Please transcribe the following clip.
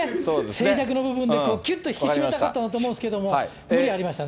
静寂の部分できゅっと引き締めたかったんだと思うんですけど、無理ありましたね。